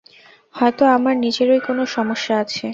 হয়তো আমার নিজেরই কোনো সমস্যা আছে।